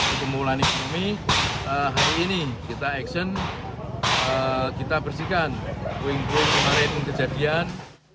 untuk pemulaan ekonomi hari ini kita action kita bersihkan puing puing kemarin kejadian